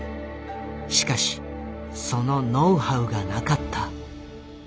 しかしそのノウハウがなかった。